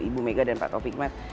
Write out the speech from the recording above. ibu mega dan pak taufik mas